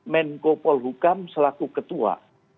menko polhukam selaku ketua